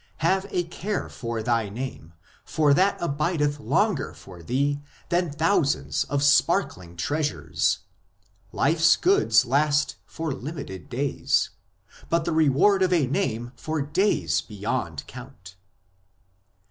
Have a care for thy name, for that abideth longer for thee than thousands of sparkling treasures. Life s goods last for limited days ; but the reward of a name for days beyond count."